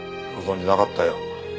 ご存じなかったよ。